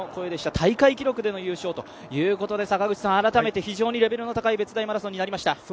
大会記録での優勝ということで、非常にレベルの高い別大マラソンになりました。